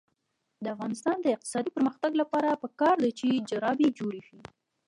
د افغانستان د اقتصادي پرمختګ لپاره پکار ده چې جرابې جوړې شي.